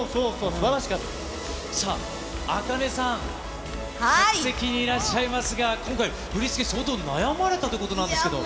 すばらしかっさあ、ａｋａｎｅさん、客席にいらっしゃいますが、今回、振り付け、相当悩まれたということなんですけど。